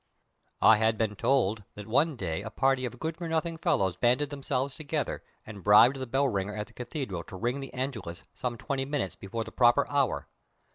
I have been told that one day a party of good for nothing fellows banded themselves together, and bribed the bell ringer at the cathedral to ring the Angelus some twenty minutes before the proper hour.